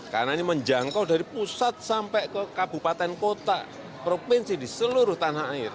karena ini menjangkau dari pusat sampai ke kabupaten kota provinsi di seluruh tanah air